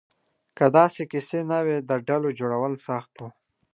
که داسې کیسې نه وې، د ډلو جوړول سخت وو.